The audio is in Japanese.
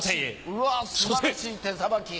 うわ素晴らしい手さばき。